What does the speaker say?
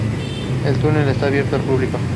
El túnel está abierto al público.